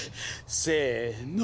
せの。